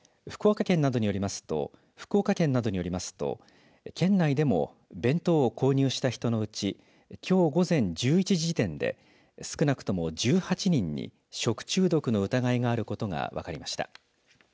福岡県などによりますと県内でも弁当を購入した人のうちきょう午前１１時時点で少なくとも１８人に食中毒の疑いがあることが分かりました。